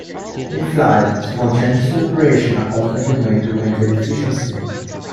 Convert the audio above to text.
In flight, small changes in operation are constantly made to maintain efficiency.